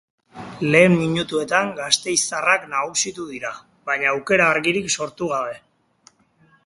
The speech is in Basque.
Lehen minutuetan, gasteiztarrak nagusitu dira, baina aurkera argirik sortu gabe.